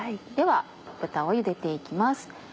では豚をゆでて行きます。